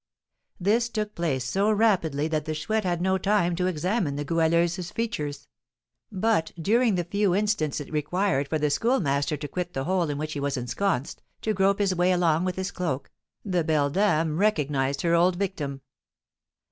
This took place so rapidly that the Chouette had no time to examine the Goualeuse's features; but during the few instants it required for the Schoolmaster to quit the hole in which he was ensconced, to grope his way along with his cloak, the beldame recognised her old victim.